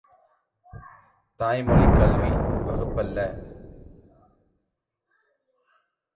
தாய்மொழிக் கல்வி வகுப்பல்ல.